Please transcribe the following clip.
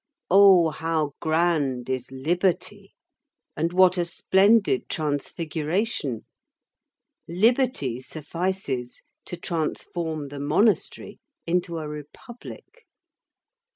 Oh! how grand is liberty! And what a splendid transfiguration! Liberty suffices to transform the monastery into a republic.